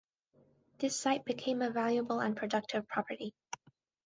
This site became a valuable and productive property.